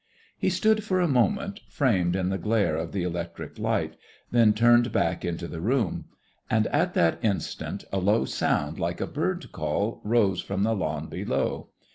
He stood for a moment framed in the glare of the electric light, then turned back into the room; and at that instant a low sound like a bird call rose from the lawn below.